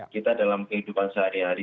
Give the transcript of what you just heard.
kita dalam kehidupan sehari hari